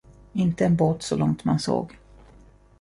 Inte en båt så långt man såg.